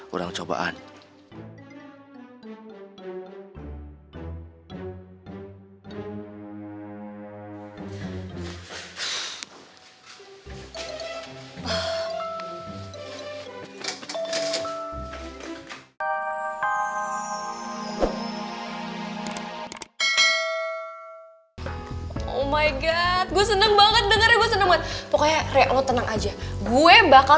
orang cobaan oh my god gue seneng banget dengerin seneng pokoknya reak lu tenang aja gue bakal